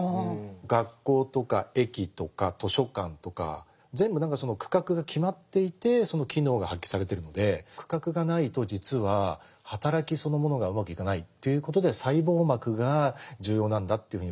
学校とか駅とか図書館とか全部何かその区画が決まっていてその機能が発揮されてるので区画がないと実は働きそのものがうまくいかないということで細胞膜が重要なんだというふうに言ってますね。